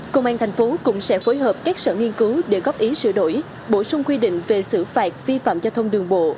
công an thành phố cũng sẽ phối hợp các sở nghiên cứu để góp ý sửa đổi bổ sung quy định về xử phạt vi phạm giao thông đường bộ